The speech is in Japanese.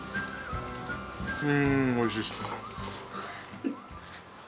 うーん、おいしいです。